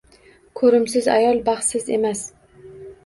Ko‘rimsiz ayol baxtsiz emas.